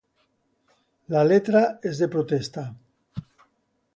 La letra es de protesta.